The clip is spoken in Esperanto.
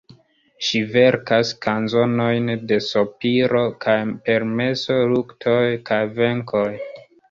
Ŝi verkas kanzonojn de sopiro kaj permeso, luktoj kaj venkoj.